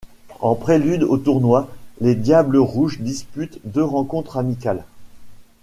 En prélude au tournoi, les Diables Rouges disputent deux rencontres amicales.